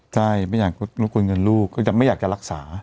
ใช่ไม่อยากรบกวนเงินลูกไม่อยากจะรักษา